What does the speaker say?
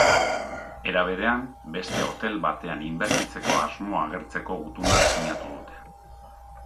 Era berean, beste hotel batean inbertitzeko asmoa agertzeko gutuna sinatu dute.